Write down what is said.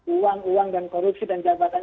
uang uang dan korupsi dan jabatan